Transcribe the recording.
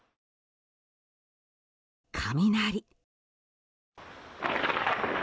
雷。